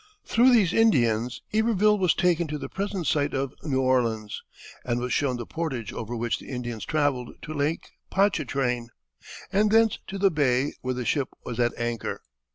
Through these Indians Iberville was taken to the present site of New Orleans and was shown the portage over which the Indians travelled to Lake Pontchartrain, and thence to the bay where the ship was at anchor.